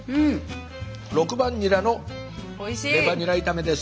６番ニラのレバニラ炒めです。